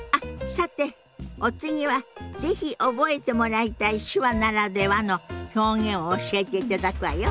さてお次は是非覚えてもらいたい手話ならではの表現を教えていただくわよ。